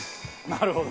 なるほど。